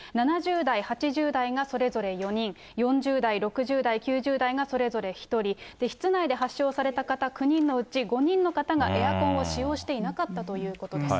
７０代、８０代がそれぞれ４人、４０代、６０代、９０代がそれぞれ１人、室内で発症された方９人のうち、５人の方がエアコンを使用していなかったということです。